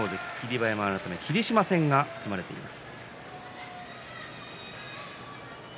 馬山改め霧島戦が組まれています。